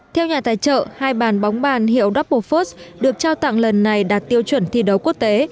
theo nhà tài trợ hai bàn bóng bàn hiệu dapo fox được trao tặng lần này đạt tiêu chuẩn thi đấu quốc tế